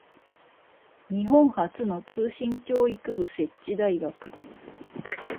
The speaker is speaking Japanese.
日本初の通信教育部設置大学